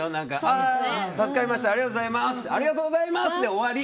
ありがとうございますで終わり！